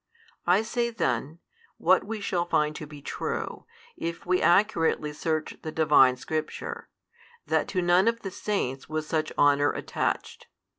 I say then, what we shall find to be true, if we accurately search the Divine Scripture, that to none of the Saints was such honour attached.